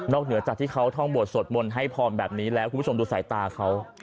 เหนือจากที่เขาท่องบวชสวดมนต์ให้พรแบบนี้แล้วคุณผู้ชมดูสายตาเขา